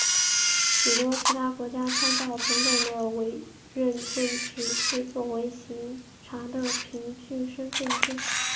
许多其他国家参照同等的委任证只是作为警察的凭据身份证。